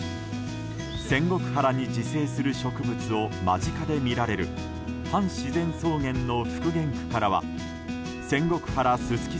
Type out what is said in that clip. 仙石原に自生する植物を間近で見られる半自然草原の復元区からは仙石原すすき